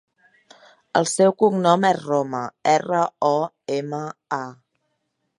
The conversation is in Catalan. El seu cognom és Roma: erra, o, ema, a.